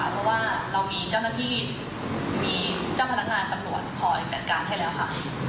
เพราะว่าเรามีเจ้าหน้าที่มีเจ้าพนักงานตำรวจคอยจัดการให้แล้วค่ะ